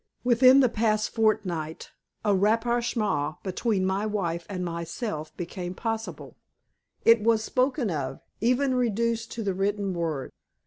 Within the past fortnight a rapprochement between my wife and myself became possible. It was spoken of, even reduced to the written word.